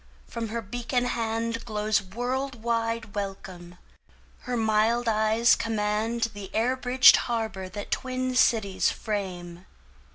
From her beacon handGlows world wide welcome; her mild eyes commandThe air bridged harbour that twin cities frame.